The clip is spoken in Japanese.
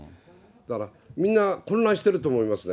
だからみんな、混乱してると思いますね。